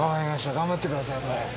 頑張ってください。